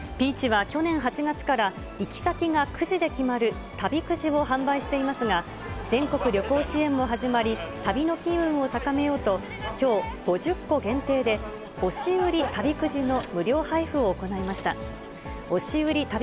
Ｐｅａｃｈは去年８月から、行き先がくじで決まる旅くじを販売していますが、全国旅行支援も始まり、旅の機運を高めようと、きょう、５０個限定で、押売り旅くじの無料配布を行いました。